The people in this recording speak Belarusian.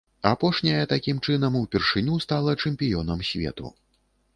Апошняя, такім чынам, упершыню стала чэмпіёнам свету.